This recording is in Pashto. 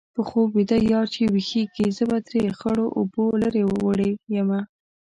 په خوب ویده یار چې ويښېږي-زه به ترې خړو اوبو لرې وړې یمه